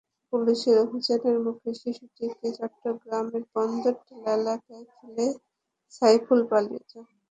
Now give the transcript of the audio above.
পুলিশের অভিযানের মুখে শিশুটিকে চট্টগ্রামের বন্দরটিলা এলাকায় ফেলে সাইফুল পালিয়ে যান।